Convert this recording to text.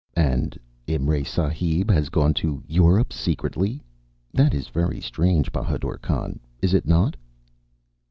"And Imray Sahib has gone to Europe secretly? That is very strange, Bahadur Khan, is it not?"